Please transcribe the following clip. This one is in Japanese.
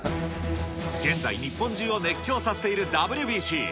現在、日本中を熱狂させているＷＢＣ。